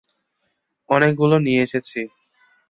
অনেকগুলো নিয়ে এসেছি।